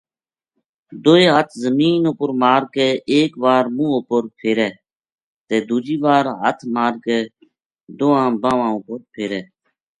دوئے ہاتھ زمی اپر مار کے ایک وار منہ اپر فیرے تے دوجی وار ہتھ مار کے دواں باواں اپر فیرے۔